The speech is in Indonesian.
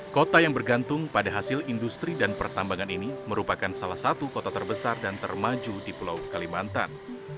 kota yang bergantung pada hasil industri dan pertambangan ini merupakan salah satu kota terbesar dan termaju di pulau kalimantan